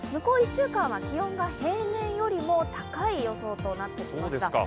１週間は気温が平年よりも高い予想となっていました。